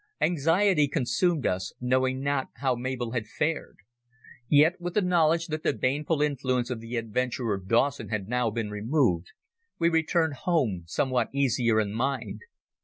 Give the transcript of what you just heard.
Anxiety consumed us, knowing not how Mabel had fared. Yet with the knowledge that the baneful influence of the adventurer Dawson had been now removed, we returned home somewhat easier in mind.